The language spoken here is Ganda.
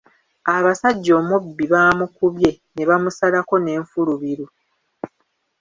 Abasajja omubbi baamukubye ne bamusalako n'enfulubiru.